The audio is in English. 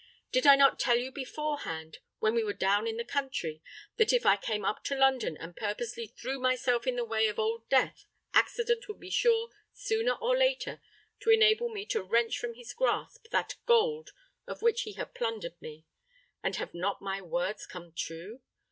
Did I not tell you beforehand, when we were down in the country, that if I came up to London and purposely threw myself in the way of Old Death, accident would be sure sooner or later to enable me to wrench from his grasp that gold of which he had plundered me? And have not my words come true?